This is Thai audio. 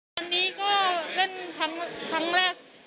วันนี้ก็เล่นครั้งแรก